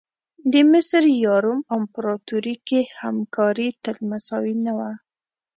د مصر یا روم امپراتوري کې همکاري تل مساوي نه وه.